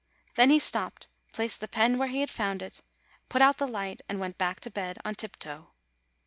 Then he stopped, placed the pen where he had found it, put out the light, and went back to bed on tiptoe.